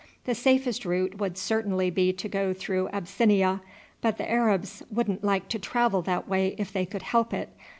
The safest route would certainly be to go through Abyssinia, but the Arabs wouldn't like to travel that way if they could help it.